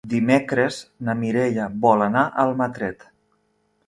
Dimecres na Mireia vol anar a Almatret.